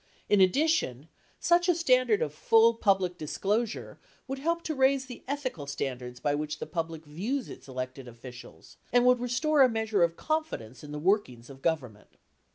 In addition, such a standard of full public disclosure would help to ra i se the ethical standards by which the public views its elected officials and would restore a measure of confidence in the workings of Government.